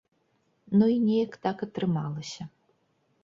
Ну і неяк так атрымалася.